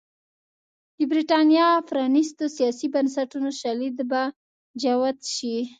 د برېټانیا د پرانېستو سیاسي بنسټونو شالید به جوت شي.